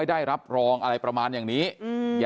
ก็คือเป็นการสร้างภูมิต้านทานหมู่ทั่วโลกด้วยค่ะ